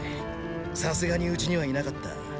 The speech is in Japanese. さすがにうちにはいなかった。